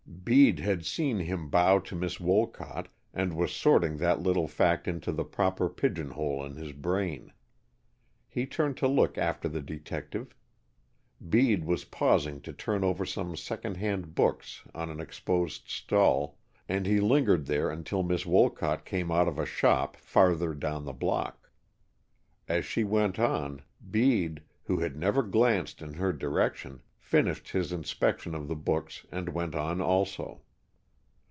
Bede had seen him bow to Miss Wolcott and was sorting that little fact into the proper pigeon hole in his brain. He turned to look after the detective. Bede was pausing to turn over some second hand books on an exposed stall, and he lingered there until Miss Wolcott came out of a shop farther down the block. As she went on, Bede, who had never glanced in her direction, finished his inspection of the books and went on also.